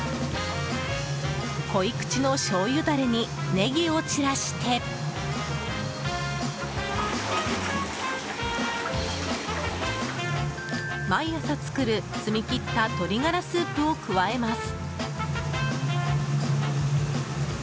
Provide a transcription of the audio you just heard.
濃い口のしょうゆダレにネギを散らして毎朝作る、澄み切った鶏ガラスープを加えます。